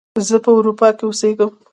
زه په اروپا کې اوسیږم